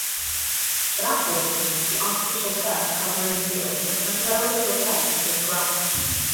For that tournament, the artificial turf covering the field was temporarily replaced with grass.